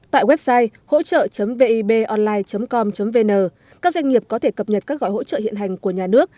tại website hỗ trợ vip online com vn các doanh nghiệp có thể cập nhật các gọi hỗ trợ hiện hành của nhà nước